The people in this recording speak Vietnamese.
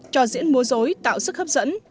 cho diễn múa rối tạo sức hấp dẫn